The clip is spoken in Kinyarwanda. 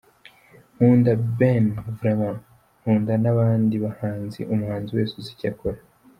Nkunda Ben vraiment ! Nkunda n’abandi bahanzi, umuhanzi wese uzi icyo akora.